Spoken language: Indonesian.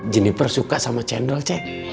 jeniper suka sama cendol ceh